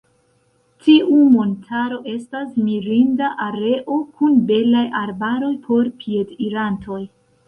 Tiu montaro estas mirinda areo kun belaj arbaroj por piedirantoj.